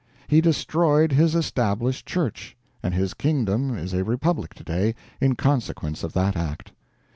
He destroyed his Established Church, and his kingdom is a republic today, in consequence of that act.